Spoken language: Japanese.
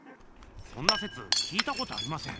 そんなせつ聞いたことありません。